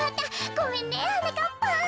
ごめんねはなかっぱん。